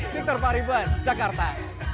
victor paribuan jakarta